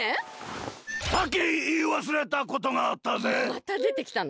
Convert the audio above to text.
またでてきたの？